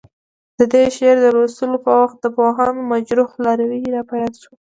د دې شعر د لوستو په وخت د پوهاند مجروح لاروی راپه یاد شو.